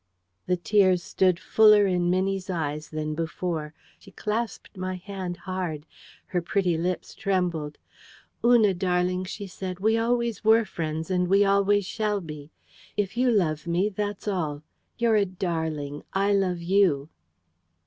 The tears stood fuller in Minnie's eyes than before. She clasped my hand hard. Her pretty lips trembled. "Una darling," she said, "we always were friends, and we always shall be. If you love me, that's all. You're a darling. I love you."